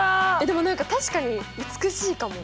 でも何か確かに美しいかも。